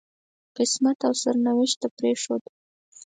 قسمت او سرنوشت ته پرېښود.